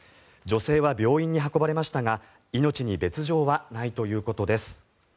女性は病院に運ばれましたが命に別条はないということです。